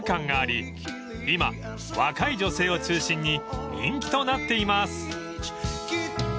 今若い女性を中心に人気となっています］